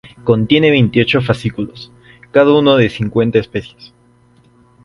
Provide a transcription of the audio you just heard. Contiene veintiocho fascículos, cada uno de cincuenta especies.